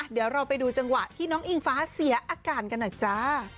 เดี๋ยวเราไปดูจังหวะที่น้องอิงฟ้าเสียอาการกันหน่อยจ้า